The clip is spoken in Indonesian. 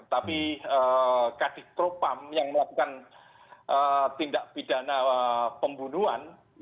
tapi kastil tropam yang melakukan tindak pidana pembunuhan